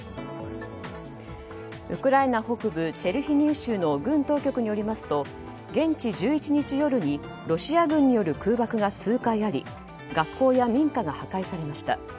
ウクライナ北部チェルニヒウ州の軍当局によりますと現地１１日夜にロシア軍による空爆が数回あり学校や民家が破壊されました。